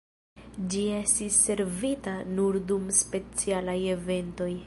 Ĝi estis servita nur dum specialaj eventoj.